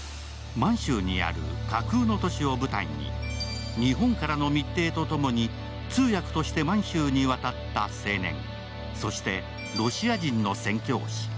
満州にある架空の都市を舞台に日本からの密偵とともに通訳として満州に渡った青年、そして、ロシア人の宣教師。